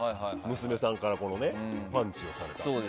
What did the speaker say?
娘さんからパンチをされたと。